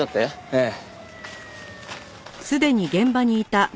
ええ。